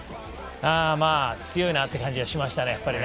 強いなっていう感じはしましたね。